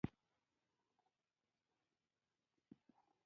او د کروړې سېرۍ کلي کښې اوسېدو